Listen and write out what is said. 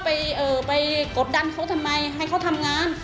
ไปกดดันเขาทำไมให้เขาทำงาน